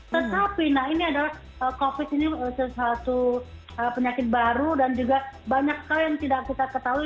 tetapi nah ini adalah covid ini sesuatu penyakit baru dan juga banyak sekali yang tidak kita ketahui